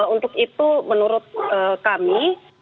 untuk itu menurut kami